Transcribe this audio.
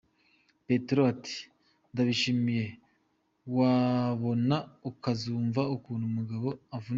Petero ati “Ndabishimye, wabona ukazumva ukuntu umugabo avunika.